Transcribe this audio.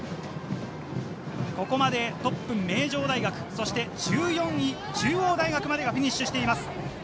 ここまでトップ・名城大学、そして１４位・中央大学までフィニッシュしています。